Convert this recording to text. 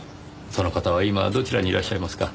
その方は今はどちらにいらっしゃいますか？